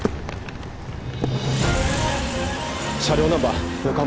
車両ナンバー「横浜」